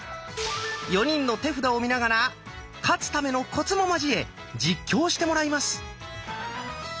４人の手札を見ながら勝つためのコツも交え実況してもらいます。